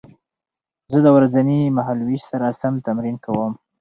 زه د ورځني مهالوېش سره سم تمرین کوم.